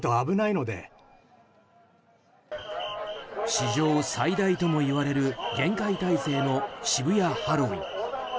史上最大ともいわれる厳戒態勢の渋谷ハロウィーン。